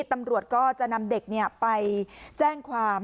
ตำรวจก็จะนำเด็กไปแจ้งความ